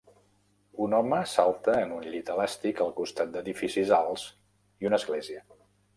Un home salta en un llit elàstic al costat d'edificis alts i una església.